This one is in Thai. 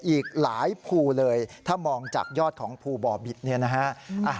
อีกหลายภูเลยถ้ามองจากยอดของภูบ่อบิตเนี่ยนะฮะ